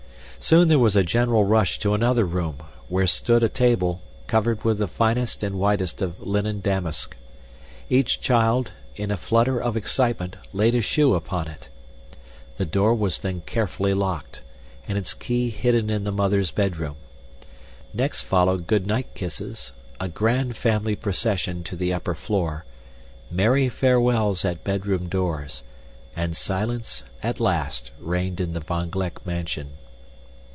Soon there was a general rush to another room, where stood a table, covered with the finest and whitest of linen damask. Each child, in a flutter of excitement, laid a shoe upon it. The door was then carefully locked, and its key hidden in the mother's bedroom. Next followed goodnight kisses, a grand family procession to the upper floor, merry farewells at bedroom doors, and silence, at last, reigned in the Van Gleck mansion.